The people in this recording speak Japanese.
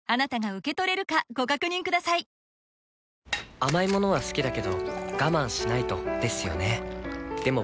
甘い物は好きだけど我慢しないとですよね